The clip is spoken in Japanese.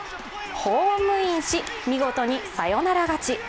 ホームインし見事にサヨナラ勝ち。